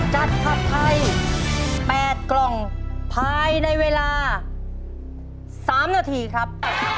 ผัดไทย๘กล่องภายในเวลา๓นาทีครับ